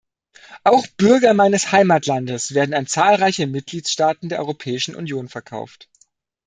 Auch Bürger meines Heimatlandes werden an zahlreiche Mitgliedstaaten der Europäischen Union verkauft.